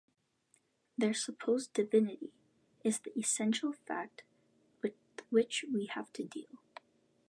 Their supposed divinity is the essential fact with which we have to deal.